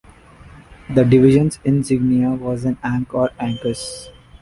The division's insignia was an ankh or ankhus.